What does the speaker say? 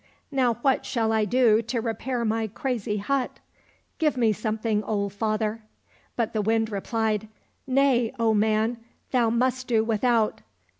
Now what shall I do to repair my crazy hut ? Give me something, old father." — But the Wind replied, " Nay, O man, thou must do without.